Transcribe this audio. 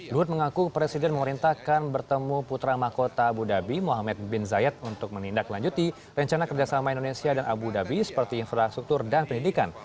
luhut mengaku presiden memerintahkan bertemu putra mahkota abu dhabi muhammad bin zayed untuk menindaklanjuti rencana kerjasama indonesia dan abu dhabi seperti infrastruktur dan pendidikan